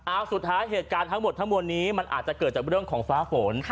เอาสุดท้ายเหตุการณ์ทั้งหมดทั้งมวลนี้มันอาจจะเกิดจากเรื่องของฟ้าฝน